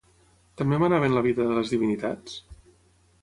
També manaven la vida de les divinitats?